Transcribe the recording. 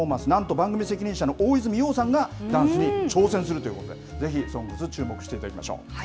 番組責任者の大泉洋さんがダンスに挑戦するということでぜひＳＯＮＧＳ注目していただきましょう。